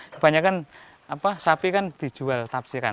kebanyakan sapi kan dijual tapsiran